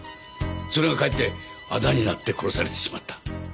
それがかえってあだになって殺されてしまった。